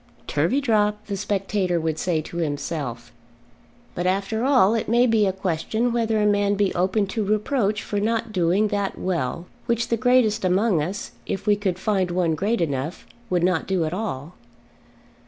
"Turveydrop!" the spectator would say to himself. But after all it may be a question whether a man be open to reproach for not doing that well which the greatest among us, if we could find one great enough, would not do at all.